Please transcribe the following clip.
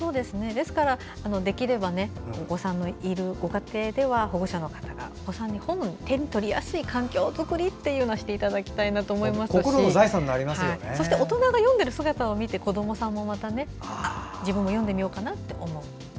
ですから、できればお子さんのいるご家庭では保護者の方がお子さんが本を手に取りやすい環境を作っていただきたいなと思いますし大人が読んでいる姿を見て子どもさんもまた自分も読んでみようかなって思う。